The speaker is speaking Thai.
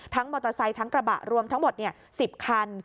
มอเตอร์ไซค์ทั้งกระบะรวมทั้งหมด๑๐คัน